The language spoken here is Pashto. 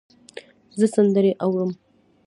زه سندرې اورم.